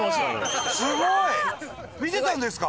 さすが！見てたんですか？